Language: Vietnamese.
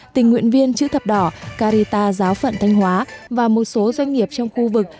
tình nguyện viên chữ thập đỏ carita giáo phận thanh hóa và một số doanh nghiệp trong khu vực